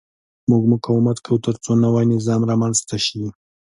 موږ مقاومت کوو ترڅو نوی نظام رامنځته شي.